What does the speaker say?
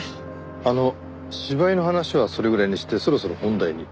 あの芝居の話はそれぐらいにしてそろそろ本題に。